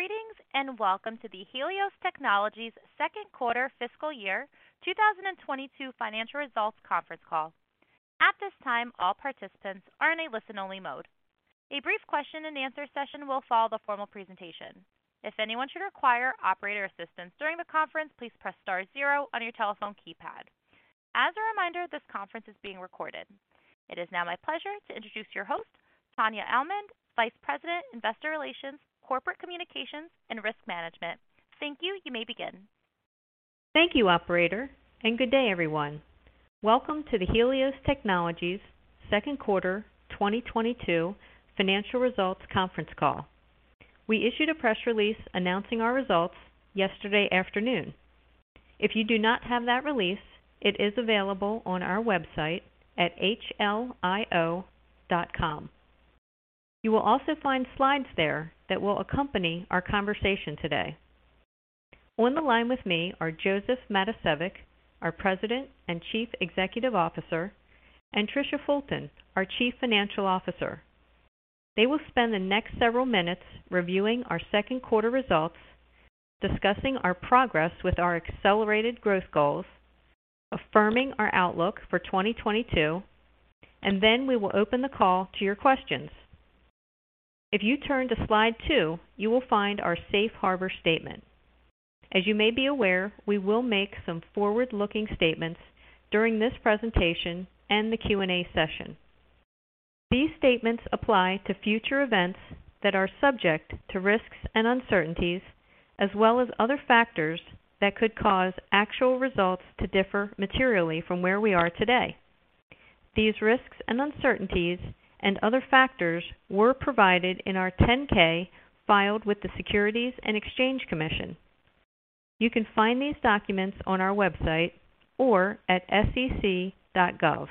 Greetings, and welcome to the Helios Technologies Q2 fiscal year 2022 financial results conference call. At this time, all participants are in a listen-only mode. A brief question and answer session will follow the formal presentation. If anyone should require operator assistance during the conference, please press star zero on your telephone keypad. As a reminder, this conference is being recorded. It is now my pleasure to introduce your host, Tania Almond, Vice President, Investor Relations, Corporate Communications and Risk Management. Thank you. You may begin. Thank you, operator, and Good day, everyone. Welcome to the Helios Technologies Q2 2022 financial results conference call. We issued a press release announcing our results yesterday afternoon. If you do not have that release, it is available on our website at hlio.com. You will also find slides there that will accompany our conversation today. On the line with me are Josef Matosevic, our President and Chief Executive Officer, and Tricia Fulton, our Chief Financial Officer. They will spend the next several minutes reviewing our Q2 results, discussing our progress with our accelerated growth goals, affirming our outlook for 2022, and then we will open the call to your questions. If you turn to slide two, you will find our safe harbor statement. As you may be aware, we will make some forward-looking statements during this presentation and the Q&A session. These statements apply to future events that are subject to risks and uncertainties, as well as other factors that could cause actual results to differ materially from where we are today. These risks and uncertainties and other factors were provided in our 10-K filed with the Securities and Exchange Commission. You can find these documents on our website or at sec.gov.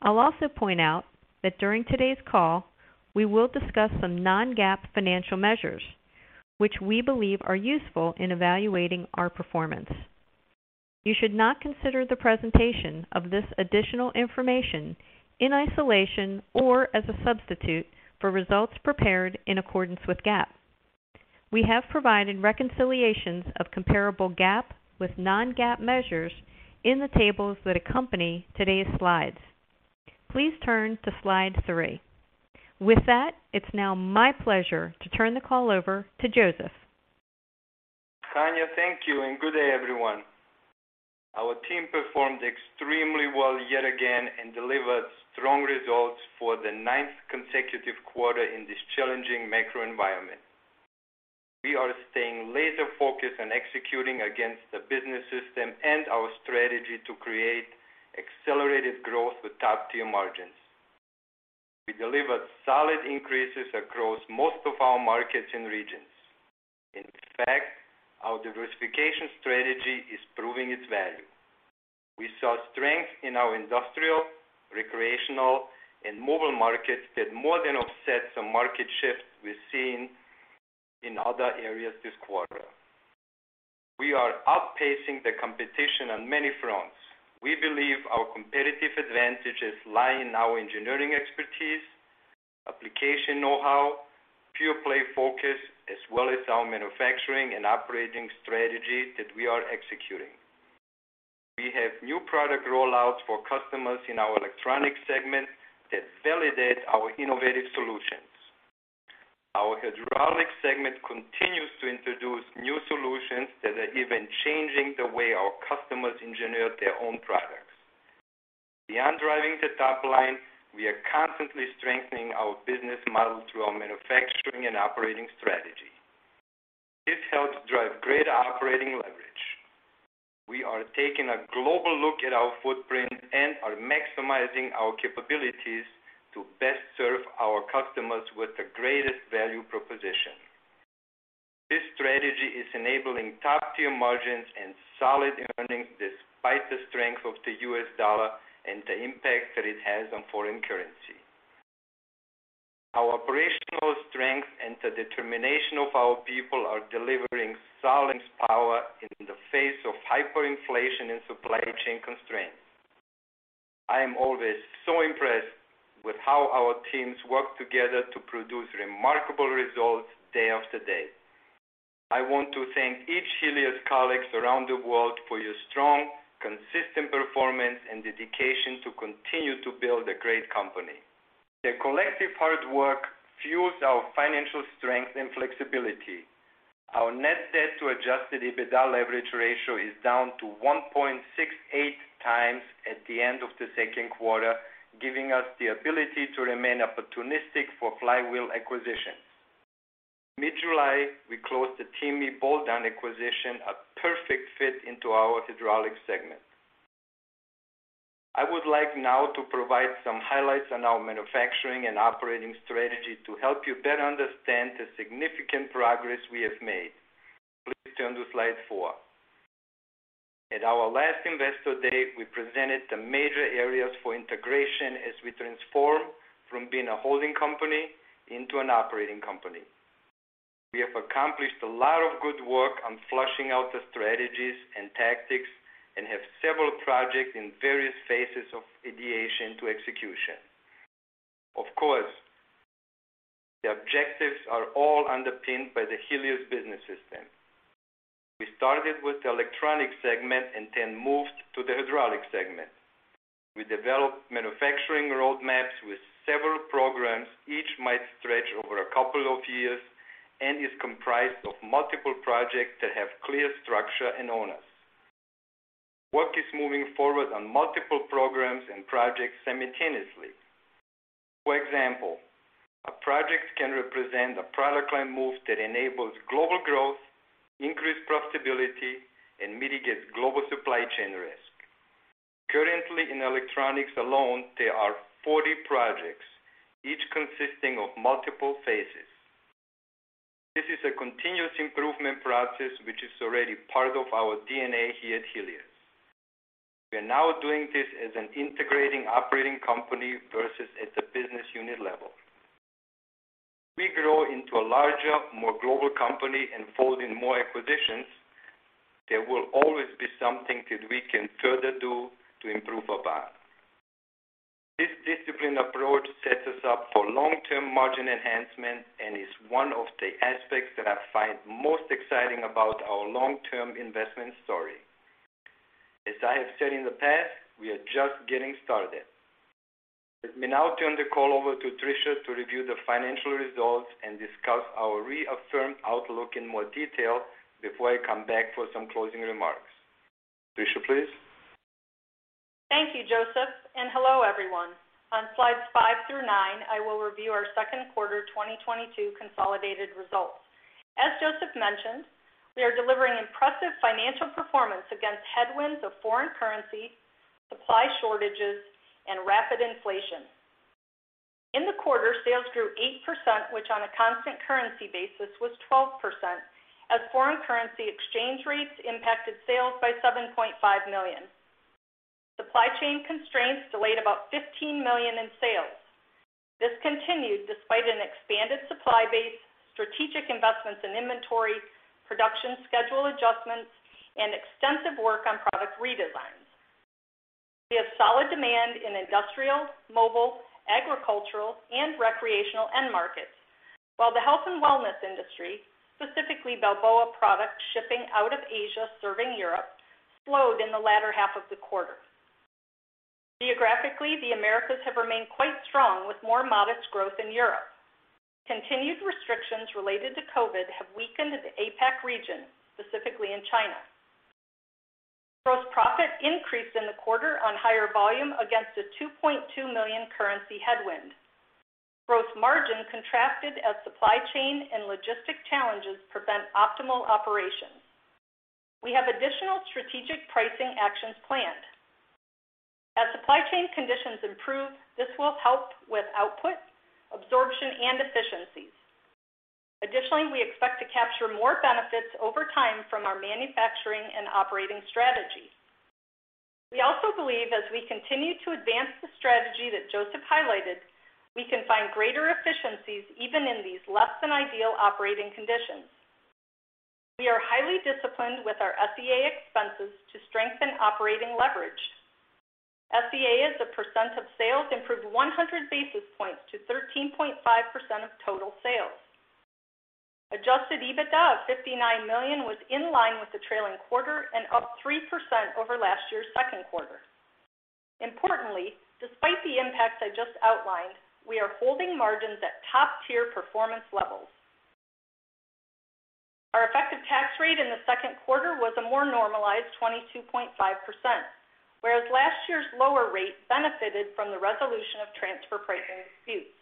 I'll also point out that during today's call, we will discuss some non-GAAP financial measures which we believe are useful in evaluating our performance. You should not consider the presentation of this additional information in isolation or as a substitute for results prepared in accordance with GAAP. We have provided reconciliations of comparable GAAP with non-GAAP measures in the tables that accompany today's slides. Please turn to slide three. With that, it's now my pleasure to turn the call over to Josef. Tania, thank you, and good day, everyone. Our team performed extremely well yet again and delivered strong results for the ninth consecutive quarter in this challenging macro environment. We are staying laser-focused on executing against the business system and our strategy to create accelerated growth with top-tier margins. We delivered solid increases across most of our markets and regions. In fact, our diversification strategy is proving its value. We saw strength in our industrial, recreational, and mobile markets that more than offset some market shifts we're seeing in other areas this quarter. We are outpacing the competition on many fronts. We believe our competitive advantages lie in our engineering expertise, application know-how, pure-play focus, as well as our manufacturing and operating strategy that we are executing. We have new product rollouts for customers in our electronics segment that validate our innovative solutions. Our hydraulics segment continues to introduce new solutions that are even changing the way our customers engineer their own products. Beyond driving the top line, we are constantly strengthening our business model through our manufacturing and operating strategy. This helps drive greater operating leverage. We are taking a global look at our footprint and are maximizing our capabilities to best serve our customers with the greatest value proposition. This strategy is enabling top-tier margins and solid earnings despite the strength of the U.S. dollar and the impact that it has on foreign currency. Our operational strength and the determination of our people are delivering solid power in the face of hyperinflation and supply chain constraints. I am always so impressed with how our teams work together to produce remarkable results day after day. I want to thank each Helios colleagues around the world for your strong, consistent performance and dedication to continue to build a great company. Their collective hard work fuels our financial strength and flexibility. Our net debt to Adjusted EBITDA leverage ratio is down to 1.68 times at the end of the Q2, giving us the ability to remain opportunistic for flywheel acquisitions. Mid-July, we closed the Taimi acquisition, a perfect fit into our hydraulics segment. I would like now to provide some highlights on our manufacturing and operating strategy to help you better understand the significant progress we have made. Please turn to slide four. At our last Investor Day, we presented the major areas for integration as we transform from being a holding company into an operating company. We have accomplished a lot of good work on flushing out the strategies and tactics and have several projects in various phases of ideation to execution. Of course, the objectives are all underpinned by the Helios business system. We started with the electronics segment and then moved to the hydraulics segment. We developed manufacturing roadmaps with several programs. Each might stretch over a couple of years and is comprised of multiple projects that have clear structure and owners. Work is moving forward on multiple programs and projects simultaneously. For example, a project can represent a product line move that enables global growth, increased profitability, and mitigates global supply chain risk. Currently, in electronics alone, there are 40 projects, each consisting of multiple phases. This is a continuous improvement process, which is already part of our DNA here at Helios. We are now doing this as an integrating operating company versus at the business unit level. We grow into a larger, more global company and fold in more acquisitions. There will always be something that we can further do to improve our bond. This disciplined approach sets us up for long-term margin enhancement and is one of the aspects that I find most exciting about our long-term investment story. As I have said in the past, we are just getting started. Let me now turn the call over to Tricia to review the financial results and discuss our reaffirmed outlook in more detail before I come back for some closing remarks. Tricia, please. Thank you, Josef, and hello, everyone. On Slides five through nine, I will review our Q2 2022 consolidated results. As Josef mentioned, we are delivering impressive financial performance against headwinds of foreign currency, supply shortages, and rapid inflation. In the quarter, sales grew 8%, which on a constant currency basis was 12%, as foreign currency exchange rates impacted sales by $7.5 million. Supply chain constraints delayed about $15 million in sales. This continued despite an expanded supply base, strategic investments in inventory, production schedule adjustments, and extensive work on product redesigns. We have solid demand in industrial, mobile, agricultural, and recreational end markets. While the health and wellness industry, specifically Balboa products shipping out of Asia serving Europe, slowed in the latter half of the quarter. Geographically, the Americas have remained quite strong with more modest growth in Europe. Continued restrictions related to COVID have weakened the APAC region, specifically in China. Gross profit increased in the quarter on higher volume against a $2.2 million currency headwind. Gross margin contracted as supply chain and logistics challenges prevent optimal operations. We have additional strategic pricing actions planned. As supply chain conditions improve, this will help with output, absorption, and efficiencies. Additionally, we expect to capture more benefits over time from our manufacturing and operating strategies. We also believe as we continue to advance the strategy that Josef highlighted, we can find greater efficiencies even in these less than ideal operating conditions. We are highly disciplined with our SE&A expenses to strengthen operating leverage. SE&A as a percent of sales improved 100 basis points to 13.5% of total sales. Adjusted EBITDA of $59 million was in line with the trailing quarter and up 3% over last year's Q2. Importantly, despite the impacts I just outlined, we are holding margins at top-tier performance levels. Our effective tax rate in the Q2 was a more normalized 22.5%, whereas last year's lower rate benefited from the resolution of transfer pricing disputes.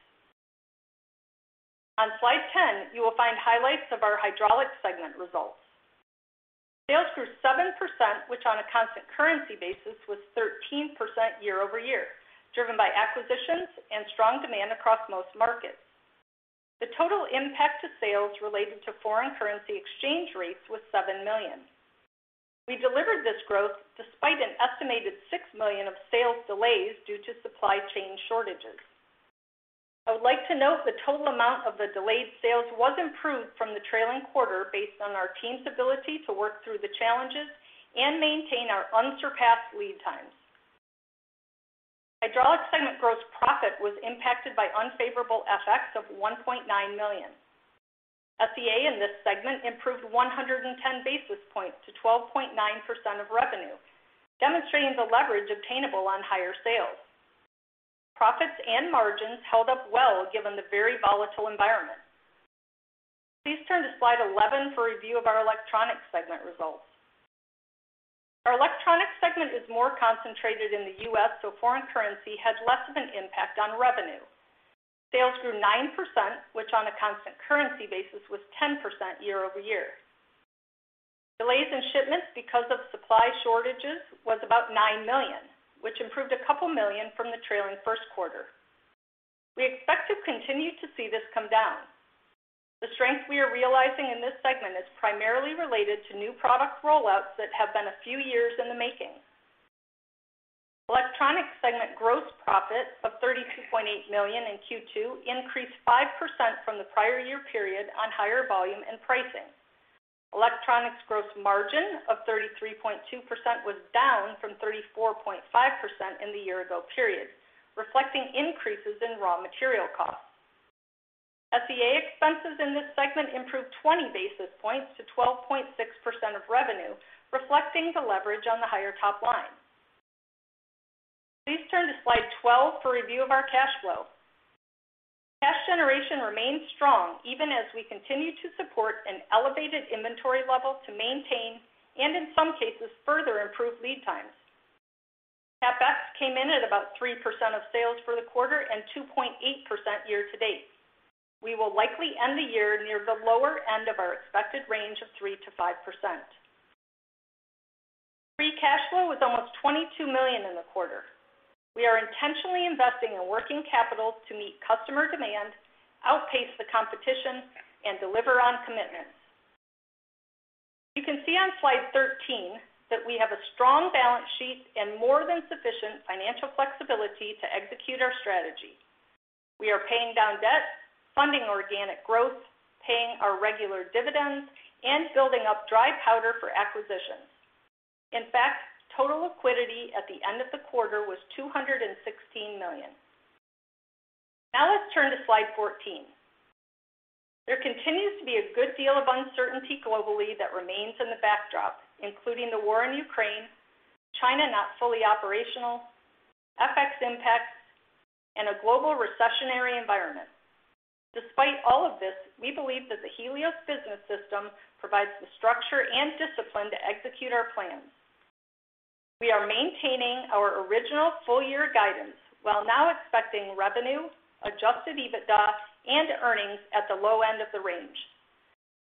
On Slide 10, you will find highlights of our hydraulics segment results. Sales grew 7%, which on a constant currency basis was 13% year-over-year, driven by acquisitions and strong demand across most markets. The total impact to sales related to foreign currency exchange rates was $7 million. We delivered this growth despite an estimated $6 million of sales delays due to supply chain shortages. I would like to note the total amount of the delayed sales was improved from the trailing quarter based on our team's ability to work through the challenges and maintain our unsurpassed lead times. Hydraulic segment gross profit was impacted by unfavorable FX of $1.9 million. SE&A in this segment improved 110 basis points to 12.9% of revenue, demonstrating the leverage obtainable on higher sales. Profits and margins held up well given the very volatile environment. Please turn to Slide 11 for review of our electronic segment results. Our electronic segment is more concentrated in the U.S., so foreign currency had less of an impact on revenue. Sales grew 9%, which on a constant currency basis was 10% year-over-year. Delays in shipments because of supply shortages was about $9 million, which improved a couple million from the trailing Q1. We expect to continue to see this come down. The strength we are realizing in this segment is primarily related to new product rollouts that have been a few years in the making. Electronics segment gross profit of $32.8 million in Q2 increased 5% from the prior year period on higher volume and pricing. Electronics gross margin of 33.2% was down from 34.5% in the year ago period, reflecting increases in raw material costs. SE&A expenses in this segment improved 20 basis points to 12.6% of revenue, reflecting the leverage on the higher top line. Please turn to slide 12 for review of our cash flow. Cash generation remains strong even as we continue to support an elevated inventory level to maintain and, in some cases, further improve lead times. CapEx came in at about 3% of sales for the quarter and 2.8% year-to-date. We will likely end the year near the lower end of our expected range of 3%-5%. Free cash flow was almost $22 million in the quarter. We are intentionally investing in working capital to meet customer demand, outpace the competition, and deliver on commitments. You can see on slide 13 that we have a strong balance sheet and more than sufficient financial flexibility to execute our strategy. We are paying down debt, funding organic growth, paying our regular dividends, and building up dry powder for acquisitions. In fact, total liquidity at the end of the quarter was $216 million. Now let's turn to slide 14. There continues to be a good deal of uncertainty globally that remains in the backdrop, including the war in Ukraine, China not fully operational, FX impacts, and a global recessionary environment. Despite all of this, we believe that the Helios business system provides the structure and discipline to execute our plans. We are maintaining our original full-year guidance while now expecting revenue, Adjusted EBITDA, and earnings at the low end of the range.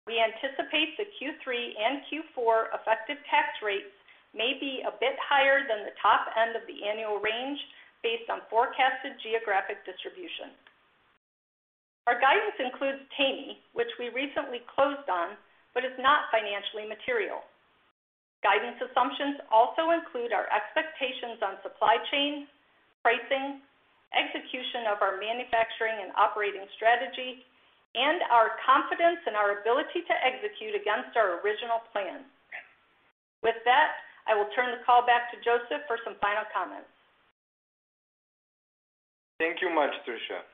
We anticipate the Q3 and Q4 effective tax rates may be a bit higher than the top end of the annual range based on forecasted geographic distribution. Our guidance includes Taimi, which we recently closed on but is not financially material. Guidance assumptions also include our expectations on supply chain, pricing, execution of our manufacturing and operating strategy, and our confidence in our ability to execute against our original plan. With that, I will turn the call back to Josef for some final comments. Thank you much, Tricia.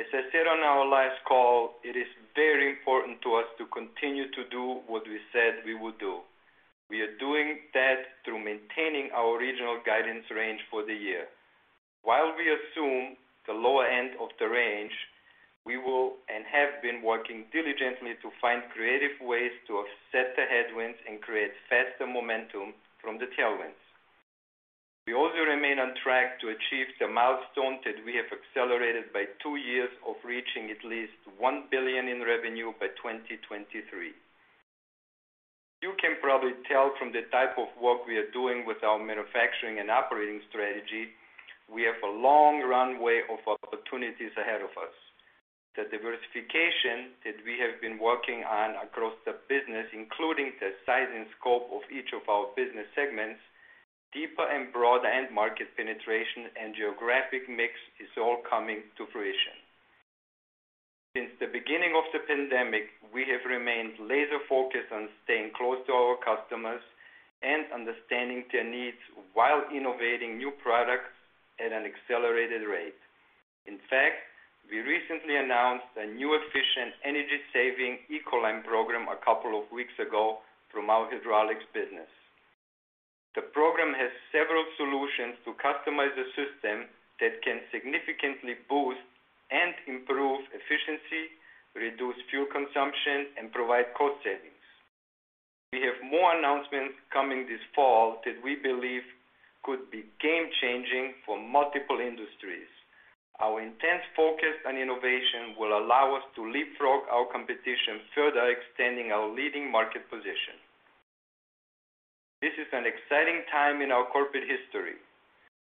As I said on our last call, it is very important to us to continue to do what we said we would do. We are doing that through maintaining our original guidance range for the year. While we assume the lower end of the range, we will and have been working diligently to find creative ways to offset the headwinds and create faster momentum from the tailwinds. We also remain on track to achieve the milestone that we have accelerated by two years of reaching at least $1 billion in revenue by 2023. You can probably tell from the type of work we are doing with our manufacturing and operating strategy, we have a long runway of opportunities ahead of us. The diversification that we have been working on across the business, including the size and scope of each of our business segments, deeper and broader end market penetration and geographic mix is all coming to fruition. Since the beginning of the pandemic, we have remained laser-focused on staying close to our customers and understanding their needs while innovating new products at an accelerated rate. In fact, we recently announced a new efficient energy-saving ecoline™ program a couple of weeks ago from our hydraulics business. The program has several solutions to customize a system that can significantly boost and improve efficiency, reduce fuel consumption, and provide cost savings. We have more announcements coming this fall that we believe could be game-changing for multiple industries. Our intense focus on innovation will allow us to leapfrog our competition, further extending our leading market position. This is an exciting time in our corporate history.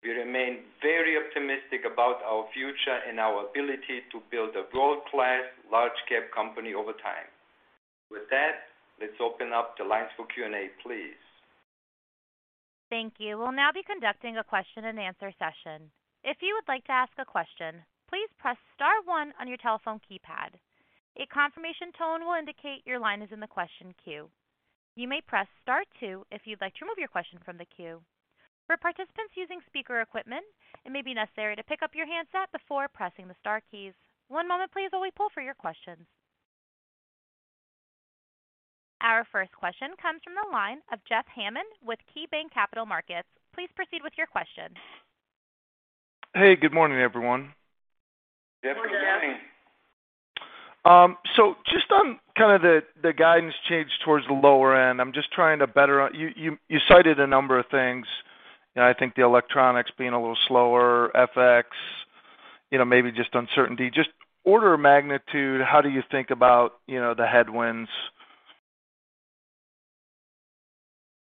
We remain very optimistic about our future and our ability to build a world-class large-cap company over time. With that, let's open up the lines for Q&A, please. Thank you. We'll now be conducting a question-and-answer session. If you would like to ask a question, please press star one on your telephone keypad. A confirmation tone will indicate your line is in the question queue. You may press star two if you'd like to remove your question from the queue. For participants using speaker equipment, it may be necessary to pick up your handset before pressing the star keys. One moment please while we poll for your questions. Our first question comes from the line of Jeff Hammond with KeyBanc Capital Markets. Please proceed with your question. Hey, good morning, everyone. Good morning. Good morning. Just on kind of the guidance change towards the lower end, you cited a number of things, and I think the electronics being a little slower, FX, you know, maybe just uncertainty. Just order of magnitude, how do you think about, you know, the headwinds?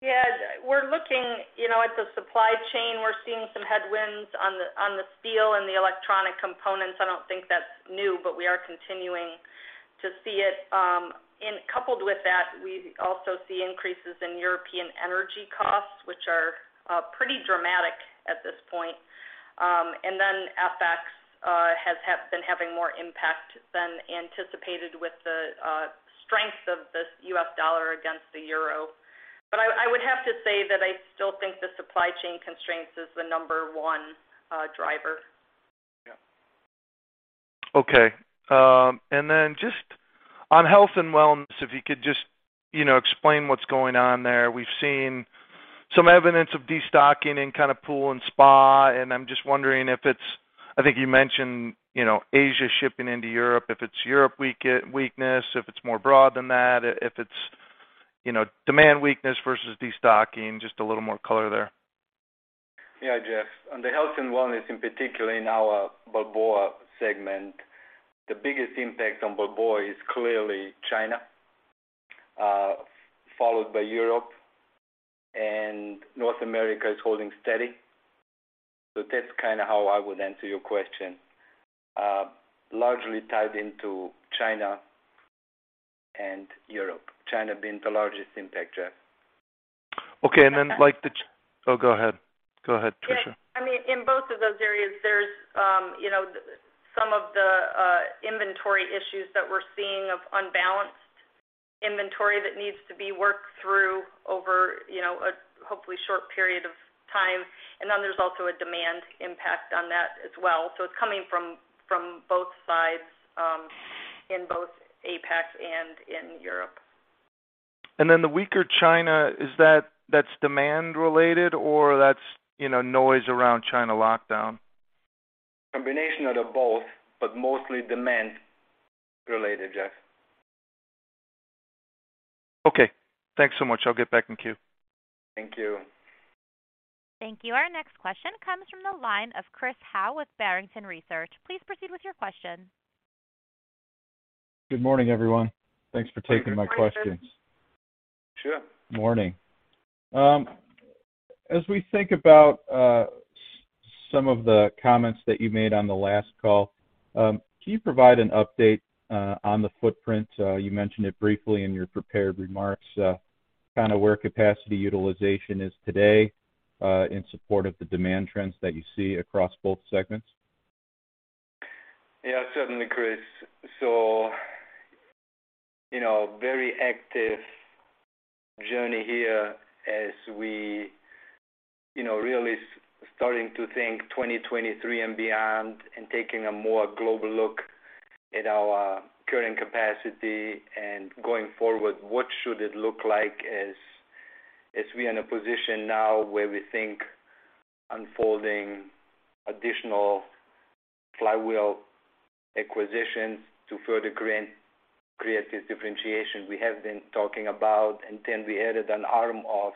Yeah, we're looking, you know, at the supply chain. We're seeing some headwinds on the steel and the electronic components. I don't think that's new, but we are continuing to see it. Coupled with that, we also see increases in European energy costs, which are pretty dramatic at this point. Then FX has been having more impact than anticipated with the strength of this U.S. dollar against the euro. But I would have to say that I still think the supply chain constraints is the number one driver. Yeah. Okay. Just on health and wellness, if you could just, you know, explain what's going on there. We've seen some evidence of destocking in kind of pool and spa, and I'm just wondering if it's, I think you mentioned, you know, Asia shipping into Europe, if it's Europe weakness, if it's more broad than that, if it's, you know, demand weakness versus destocking. Just a little more color there. Yeah. Jeff, on the health and wellness, in particular in our Balboa segment, the biggest impact on Balboa is clearly China, followed by Europe, and North America is holding steady. That's kind of how I would answer your question. Largely tied into China and Europe. China being the largest impact, Jeff. Okay. Oh, go ahead. Go ahead, Tricia. Yeah. I mean, in both of those areas, there's you know, some of the inventory issues that we're seeing of unbalanced inventory that needs to be worked through over you know, a hopefully short period of time. There's also a demand impact on that as well. It's coming from both sides, in both APAC and in Europe. The weaker China, is that demand related or that's, you know, noise around China lockdown? Combination of both, but mostly demand related, Jeff. Okay. Thanks so much. I'll get back in queue. Thank you. Thank you. Our next question comes from the line of Chris Howe with Barrington Research. Please proceed with your question. Good morning, everyone. Thanks for taking my questions. Morning. As we think about some of the comments that you made on the last call, can you provide an update on the footprint? You mentioned it briefly in your prepared remarks, kind of where capacity utilization is today, in support of the demand trends that you see across both segments. Yeah, certainly, Chris. You know, very active journey here as we, you know, really starting to think 2023 and beyond and taking a more global look at our current capacity and going forward, what should it look like as we are in a position now where we think unfolding additional flywheel acquisitions to further garner competitive differentiation we have been talking about. We added an arm of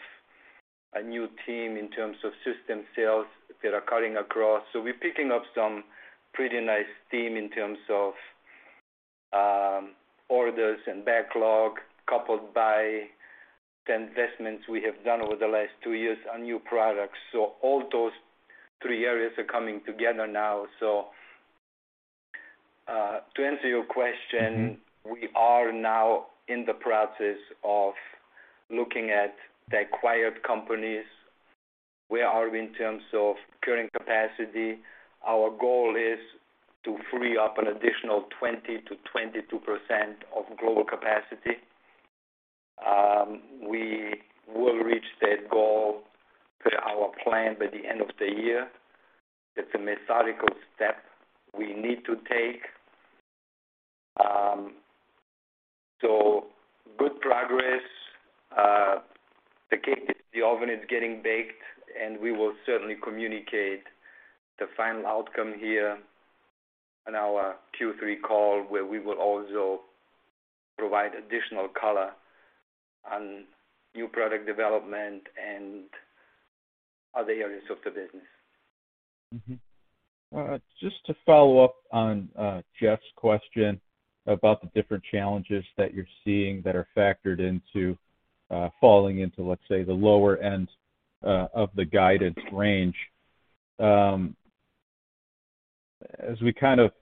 a new team in terms of system sales that are cutting across. We're picking up some pretty nice steam in terms of orders and backlog, coupled by the investments we have done over the last two years on new products. All those three areas are coming together now. To answer your question. We are now in the process of looking at the acquired companies. Where are we in terms of current capacity? Our goal is to free up an additional 20%-22% of global capacity. We will reach that goal per our plan by the end of the year. That's a methodical step we need to take. Good progress. The cake in the oven is getting baked, and we will certainly communicate the final outcome here on our Q3 call, where we will also provide additional color on new product development and other areas of the business. Just to follow up on Jeff's question about the different challenges that you're seeing that are factored into falling into, let's say, the lower end of the guidance range. As we kind of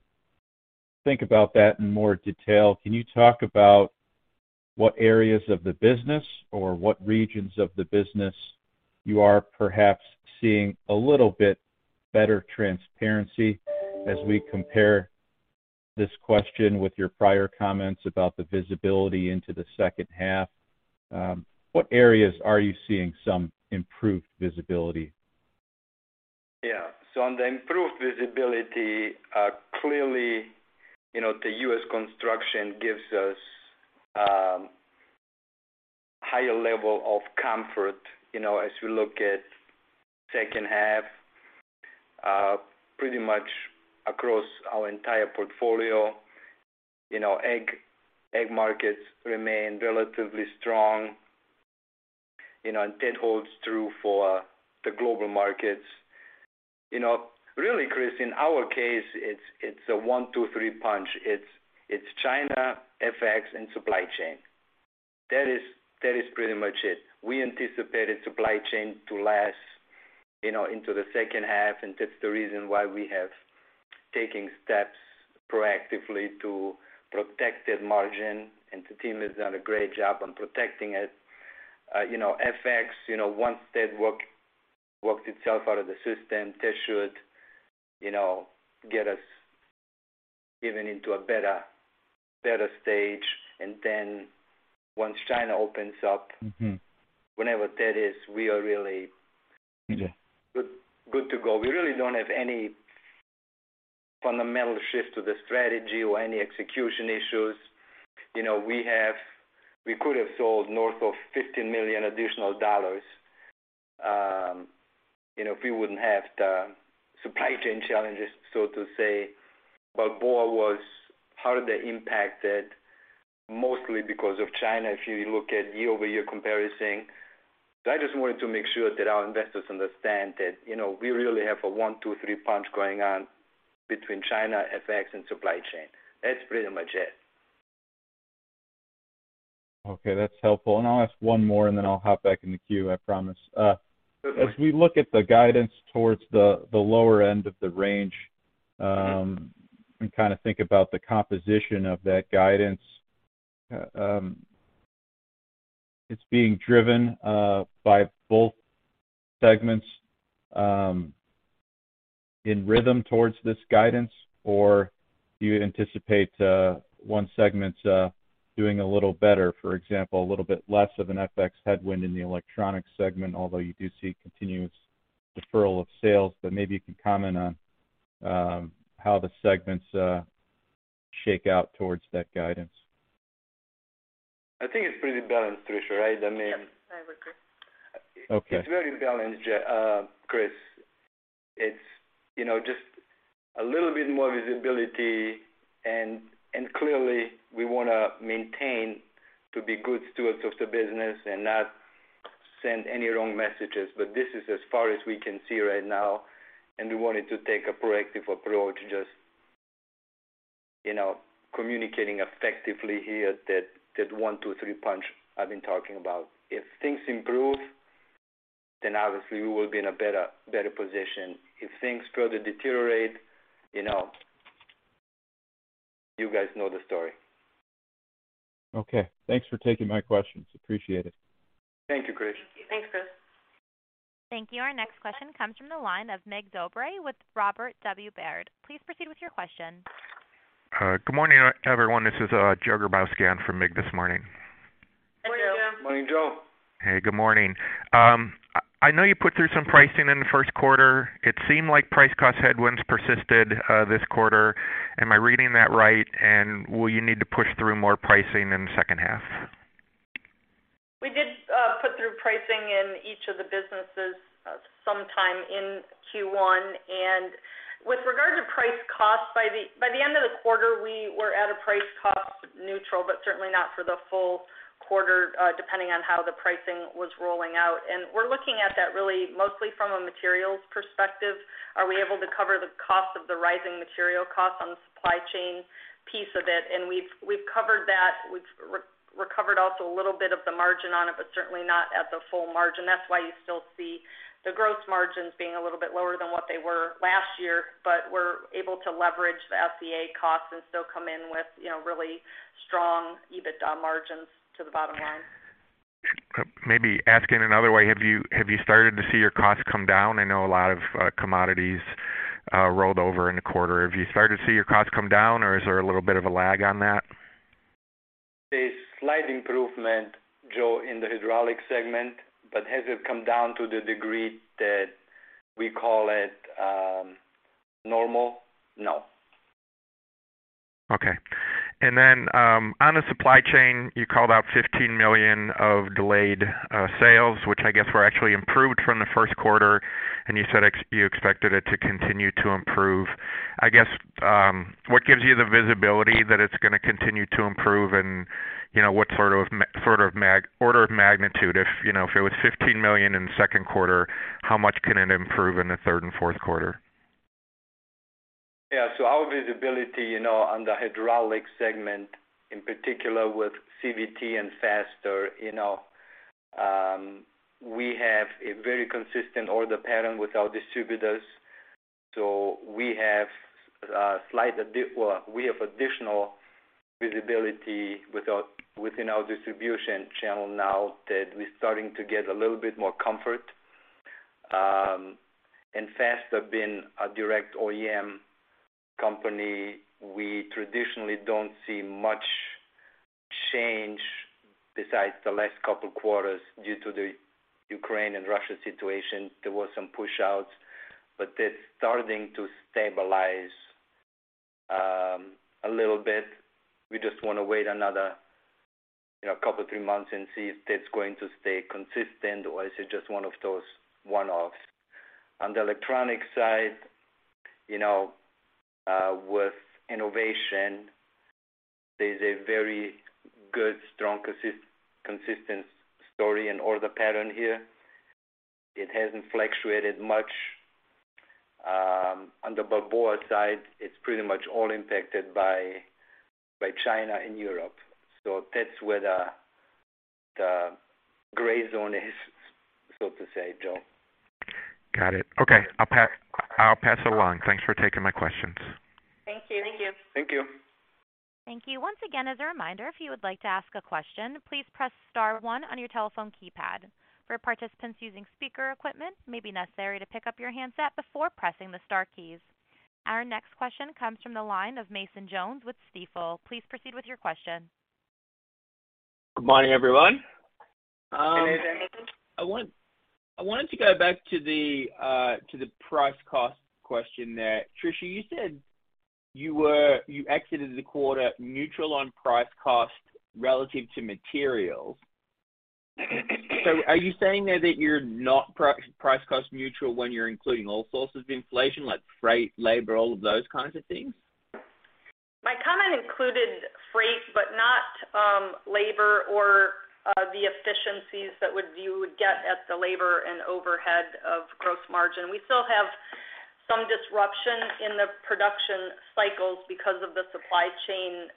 think about that in more detail, can you talk about what areas of the business or what regions of the business you are perhaps seeing a little bit better transparency as we compare this question with your prior comments about the visibility into the second half? What areas are you seeing some improved visibility? Yeah. On the improved visibility, clearly, you know, the U.S. construction gives us higher level of comfort, you know, as you look at second half, pretty much across our entire portfolio. You know, ag markets remain relatively strong, you know, and that holds true for the global markets. You know, really, Chris, in our case, it's a one, two, three punch. It's China, FX, and supply chain. That is pretty much it. We anticipated supply chain to last, you know, into the second half, and that's the reason why we're taking steps proactively to protect that margin, and the team has done a great job on protecting it. You know, FX, you know, once that works itself out of the system, that should, you know, get us even into a better stage. Then once China opens up. Whenever that is, we are really. Yeah. Good, good to go. We really don't have any fundamental shift to the strategy or any execution issues. You know, we could have sold north of $15 million additional dollars, you know, if we wouldn't have the supply chain challenges, so to say. Balboa was hardly impacted, mostly because of China, if you look at year-over-year comparison. I just wanted to make sure that our investors understand that, you know, we really have a one, two, three punch going on between China, FX, and supply chain. That's pretty much it. Okay, that's helpful. I'll ask one more, and then I'll hop back in the queue, I promise. As we look at the guidance towards the lower end of the range, and kind of think about the composition of that guidance, it's being driven by both segments in rhythm towards this guidance, or do you anticipate one segment's doing a little better? For example, a little bit less of an FX headwind in the electronic segment, although you do see continuous deferral of sales. Maybe you can comment on how the segments shake out towards that guidance. I think it's pretty balanced, Tricia, right? I mean. Yep, I would agree. Okay. It's very balanced, Chris. It's, you know, just a little bit more visibility. Clearly, we wanna maintain to be good stewards of the business and not send any wrong messages. This is as far as we can see right now, and we wanted to take a proactive approach to just, you know, communicating effectively here that one, two, three punch I've been talking about. If things improve, then obviously we will be in a better position. If things further deteriorate, you know, you guys know the story. Okay, thanks for taking my questions. Appreciate it. Thank you, Chris. Thanks, Chris. Thank you. Our next question comes from the line of Mig Dobre with Robert W. Baird. Please proceed with your question. Good morning, everyone. This is Joe Grabowski in for Mig this morning. Morning, Joe. Morning, Joe. Hey, good morning. I know you put through some pricing in the Q1. It seemed like price cost headwinds persisted, this quarter. Am I reading that right? Will you need to push through more pricing in the second half? We did put through pricing in each of the businesses sometime in Q1. With regard to price-cost, by the end of the quarter, we were at a price-cost neutral, but certainly not for the full quarter, depending on how the pricing was rolling out. We're looking at that really mostly from a materials perspective. Are we able to cover the cost of the rising material cost on the supply chain piece of it? We've covered that. We've recovered also a little bit of the margin on it, but certainly not at the full margin. That's why you still see the gross margins being a little bit lower than what they were last year. We're able to leverage the FCA costs and still come in with, you know, really strong EBITDA margins to the bottom line. Maybe asking another way, have you started to see your costs come down? I know a lot of commodities rolled over in the quarter. Have you started to see your costs come down, or is there a little bit of a lag on that? A slight improvement, Joe, in the hydraulics segment, but has it come down to the degree that we call it normal? No. Okay. On the supply chain, you called out $15 million of delayed sales, which I guess were actually improved from the Q1. You said you expected it to continue to improve. I guess, what gives you the visibility that it's gonna continue to improve? You know, what sort of order of magnitude if, you know, if it was $15 million in the Q2, how much can it improve in the third and Q4? Yeah. Our visibility, you know, on the hydraulics segment, in particular with CVT and Faster, you know, we have a very consistent order pattern with our distributors. We have additional visibility within our distribution channel now that we're starting to get a little bit more comfort. In fact, we've been a direct OEM company. We traditionally don't see much change besides the last couple quarters due to the Ukraine and Russia situation. There was some pushouts, but that's starting to stabilize a little bit. We just wanna wait another, you know, couple three months and see if that's going to stay consistent or is it just one of those one-offs. On the electronic side, you know, with innovation, there's a very good, strong consistency story and order pattern here. It hasn't fluctuated much. On the Balboa side, it's pretty much all impacted by China and Europe. That's where the The gray zone is so to say, Joe. Got it. Okay. I'll pass along. Thanks for taking my questions. Thank you. Thank you. Once again, as a reminder, if you would like to ask a question, please press star one on your telephone keypad. For participants using speaker equipment, it may be necessary to pick up your handset before pressing the star keys. Our next question comes from the line of Nathan Jones with Stifel. Please proceed with your question. Good morning, everyone. Good morning. I wanted to go back to the price cost question there. Tricia, you said you exited the quarter neutral on price cost relative to materials. Are you saying there that you're not price cost neutral when you're including all sources of inflation, like freight, labor, all of those kinds of things? My comment included freight, but not labor or the efficiencies that you would get at the labor and overhead of gross margin. We still have some disruption in the production cycles because of the supply chain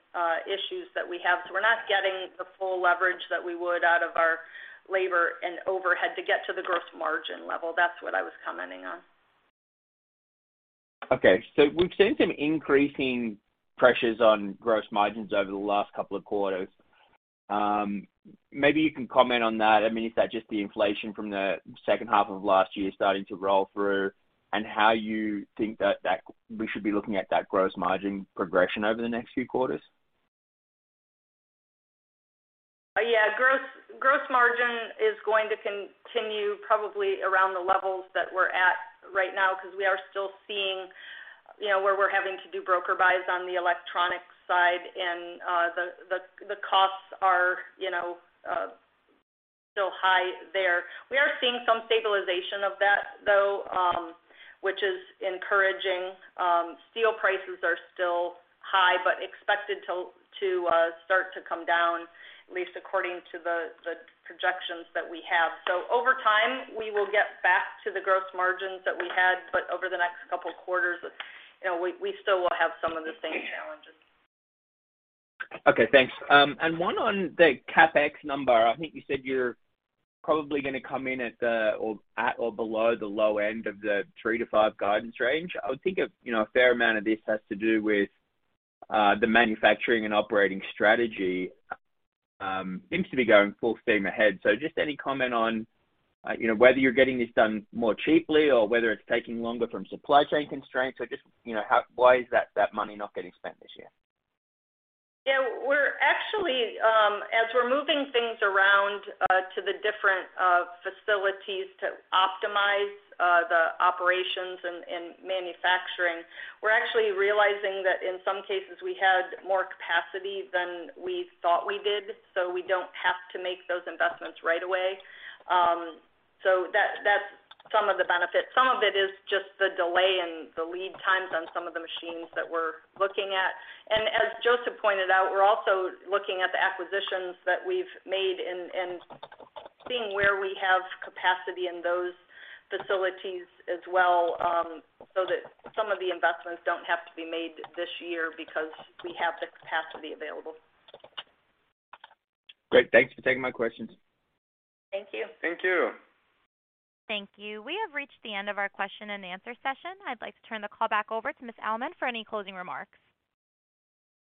issues that we have. We're not getting the full leverage that we would out of our labor and overhead to get to the gross margin level. That's what I was commenting on. Okay. We've seen some increasing pressures on gross margins over the last couple of quarters. Maybe you can comment on that. I mean, is that just the inflation from the second half of last year starting to roll through and how you think that we should be looking at that gross margin progression over the next few quarters? Yeah. Gross margin is going to continue probably around the levels that we're at right now because we are still seeing, you know, where we're having to do broker buys on the electronic side. The costs are, you know, still high there. We are seeing some stabilization of that, though, which is encouraging. Steel prices are still high, but expected to start to come down, at least according to the projections that we have. Over time, we will get back to the gross margins that we had, but over the next couple quarters, you know, we still will have some of the same challenges. Okay, thanks. One on the CapEx number. I think you said you're probably gonna come in at or below the low end of the three-five guidance range. I would think, you know, a fair amount of this has to do with the manufacturing and operating strategy seems to be going full steam ahead. Just any comment on, you know, whether you're getting this done more cheaply or whether it's taking longer from supply chain constraints or just, you know, why is that money not getting spent this year? Yeah. We're actually as we're moving things around to the different facilities to optimize the operations and manufacturing, we're actually realizing that in some cases we had more capacity than we thought we did. We don't have to make those investments right away. That's some of the benefits. Some of it is just the delay in the lead times on some of the machines that we're looking at. As Josef pointed out, we're also looking at the acquisitions that we've made and seeing where we have capacity in those facilities as well, so that some of the investments don't have to be made this year because we have the capacity available. Great. Thanks for taking my questions. Thank you. Thank you. Thank you. We have reached the end of our question and answer session. I'd like to turn the call back over to Ms. Almond for any closing remarks.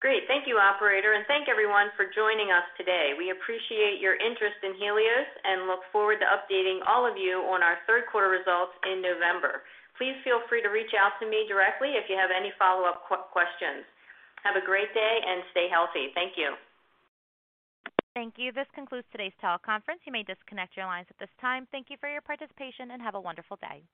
Great. Thank you, operator, and thank everyone for joining us today. We appreciate your interest in Helios and look forward to updating all of you on our Q3 results in November. Please feel free to reach out to me directly if you have any follow-up questions. Have a great day, and stay healthy. Thank you. Thank you. This concludes today's teleconference. You may disconnect your lines at this time. Thank you for your participation, and have a wonderful day.